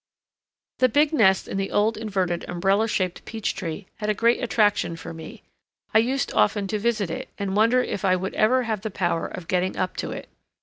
The big nest in the old inverted umbrella shaped peach tree had a great attraction for me; I used often to visit it and wonder if I would ever have the power of getting up to it.